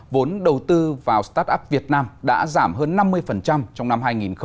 vốn đầu tư vào start up việt nam đã giảm hơn năm mươi trong năm hai nghìn hai mươi